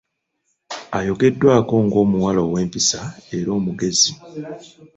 Ayogeddwako ng’omuwala ow’empisa era omugezi .